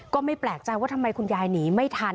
ก็ไม่แปลกใจว่าทำไมคุณยายหนีไม่ทัน